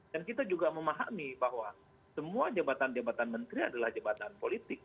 dan kita juga memahami bahwa semua jabatan jabatan menteri adalah jabatan politik